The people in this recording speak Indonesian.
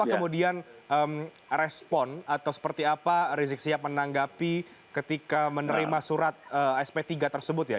apa kemudian respon atau seperti apa rizik sihab menanggapi ketika menerima surat sp tiga tersebut ya